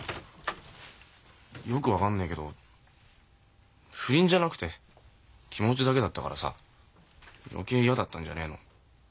よく分かんないけど不倫じゃなくて気持ちだけだったからさ余計嫌だったんじゃねえの？